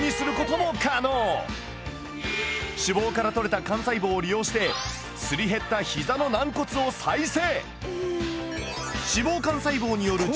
脂肪からとれた幹細胞を利用してすり減った膝の軟骨を再生。